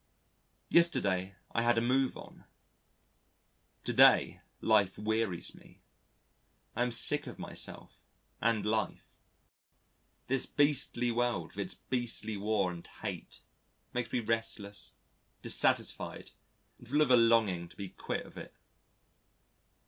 Yesterday I had a move on. To day life wearies me. I am sick of myself and life. This beastly world with its beastly war and hate makes me restless, dissatisfied, and full of a longing to be quit of it.